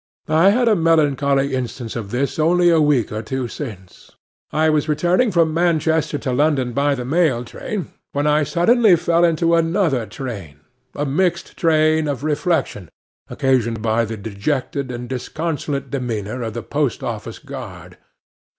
I had a melancholy instance of this only a week or two since. I was returning from Manchester to London by the Mail Train, when I suddenly fell into another train—a mixed train—of reflection, occasioned by the dejected and disconsolate demeanour of the Post Office Guard.